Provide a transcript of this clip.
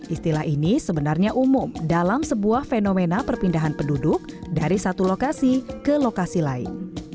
istilah ini sebenarnya umum dalam sebuah fenomena perpindahan penduduk dari satu lokasi ke lokasi lain